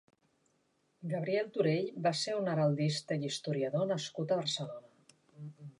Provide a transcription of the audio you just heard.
Gabriel Turell va ser un heraldista i historiador nascut a Barcelona.